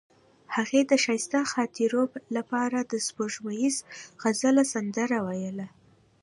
هغې د ښایسته خاطرو لپاره د سپوږمیز غزل سندره ویله.